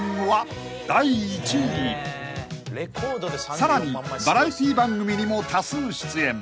［さらにバラエティー番組にも多数出演］